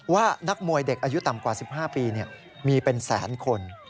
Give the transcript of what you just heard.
ว่านักมวยเด็กอายุต่ำกว่า๑๕ปีมีเป็นแสนคน